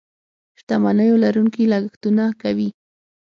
شتمنيو لرونکي لګښتونه کوي.